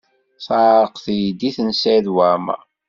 Teɛreq teydit n Saɛid Waɛmaṛ.